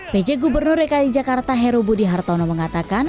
pj gubernur rekali jakarta herobudi hartono mengatakan